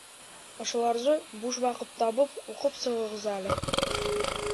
— Ошоларҙы, буш ваҡыт табып, уҡып сығығыҙ әле